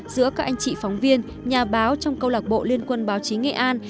giữa các anh chị phóng viên nhà báo trong câu lạc bộ liên quân báo chí nghệ an